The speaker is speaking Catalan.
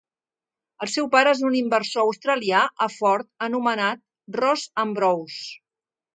El seu pare és un inversor australià a Ford anomenat Ross Ambrose.